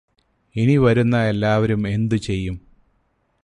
ഇനി വരുന്ന എല്ലാവരും എന്തു ചെയ്യും?